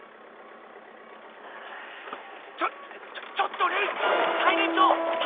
ちょちょっとレイ！